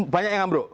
banyak yang ambro